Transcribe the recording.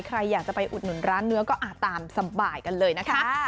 ใครอยากจะไปอุดหนุนร้านเนื้อก็ตามสบายกันเลยนะคะ